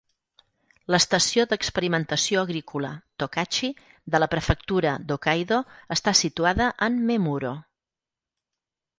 L'estació d'experimentació agrícola Tokachi de la prefectura d'Hokkaido està situada en Memuro.